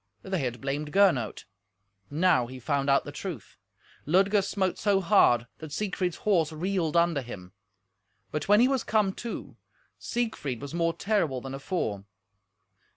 They had blamed Gernot. Now he found out the truth. Ludger smote so hard that Siegfried's horse reeled under him. But when he was come to, Siegfried was more terrible than afore.